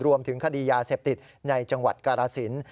รวมถึงคดียาเสพติดในจังหวัดกาลสิน